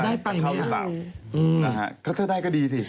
เขาหรือเปล่าถ้าได้ก็ดีสิ